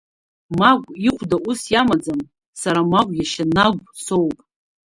Магә ихәда ус иамаӡам, сара Магә иашьа Нагә соуп…